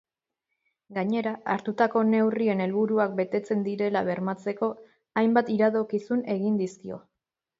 Gainera, hartutako neurrien helburuak betetzen direla bermatzeko hainbat iradokizun egin dizkio.